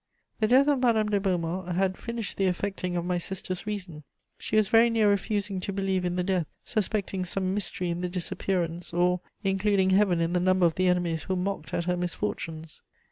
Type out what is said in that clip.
The death of Madame de Beaumont had finished the affecting of my sister's reason; she was very near refusing to believe in the death, suspecting some mystery in the disappearance, or including Heaven in the number of the enemies who mocked at her misfortunes.